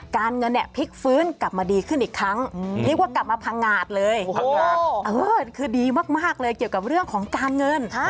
การเงินพลิกฟื้นกลับมาดีขึ้นอีกครั้ง